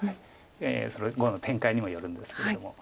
それは碁の展開にもよるんですけれども。